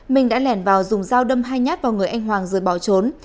minh đã lẻn vào dùng dao đâm hai nhát vào người anh hoàng rồi bỏ trốn